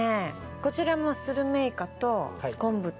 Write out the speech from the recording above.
こちらもスルメイカと昆布と。